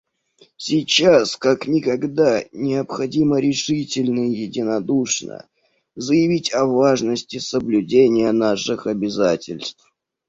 Сейчас как никогда необходимо решительно и единодушно заявить о важности соблюдения наших обязательств.